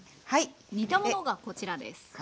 煮たものがこちらです。